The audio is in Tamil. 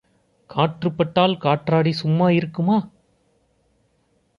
காற்றுப்பட்டால் காற்றாடி சும்மா இருக்குமா?